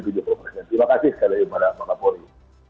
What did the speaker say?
terima kasih sekali kepada pak kapuri